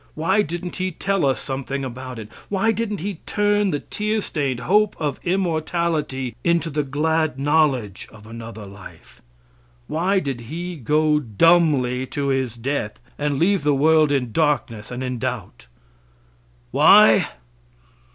Why didn't He tell us something about it? Why didn't He turn the tear stained hope of immortality into the glad knowledge of another life? Why did He go dumbly to his death, and leave the world in darkness and in doubt? Why?